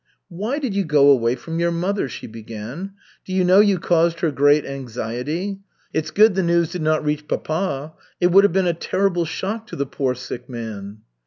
"Why did you go away from your mother?" she began. "Do you know you caused her great anxiety? It's good the news did not reach papa. It would have been a terrible shock to the poor sick man."